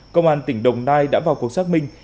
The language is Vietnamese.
công an tỉnh đồng nai đã vào cuộc xác minh